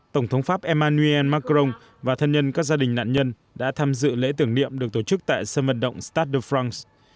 tổng thống pháp emmanuel macron và thân nhân các gia đình nạn nhân đã tham dự lễ tưởng niệm được tổ chức tại sân vận động startuf france